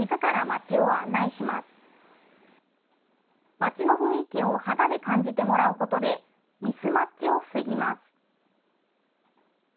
街の雰囲気を肌で感じてもらうことで、ミスマッチを防ぎます。